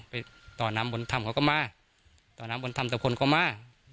ไปต่อน้ำบนถ้ำเขาก็มาต่อน้ำบนธรรมแต่คนก็มา